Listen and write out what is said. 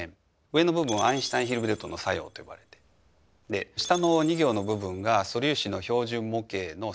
上の部分はアインシュタイン・ヒルベルトの作用と呼ばれて下の２行の部分が素粒子の標準模型の作用と呼ばれて。